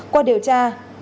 qua điều tra